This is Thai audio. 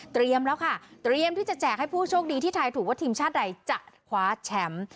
แล้วค่ะเตรียมที่จะแจกให้ผู้โชคดีที่ไทยถูกว่าทีมชาติใดจะคว้าแชมป์